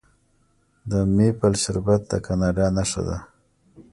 د میپل شربت د کاناډا نښه ده.